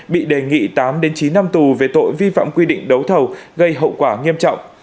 bị đề nghị tám chín năm tù về tội vi phạm quy định đấu thầu gây hậu quả nghiêm trọng